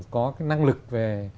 có cái năng lực về